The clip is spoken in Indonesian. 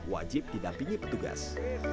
wajib didampingi petugas